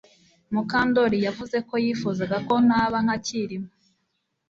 Mukandoli yavuze ko yifuzaga ko naba nka Kirima